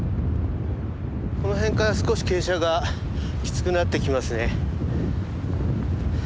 この辺から少し傾斜がきつくなってきますね。